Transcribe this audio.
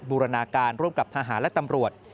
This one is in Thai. บูรณาการร่วมกับทหารและตำรวจ